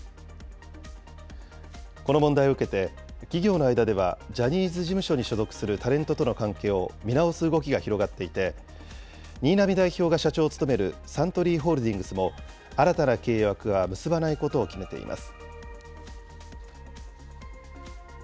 この問題を受けて、企業の間ではジャニーズ事務所に所属するタレントとの関係を見直す動きが広がっていて、新浪代表が社長を務めるサントリーホールディングスも、新たな契約は結ばないことを決めています。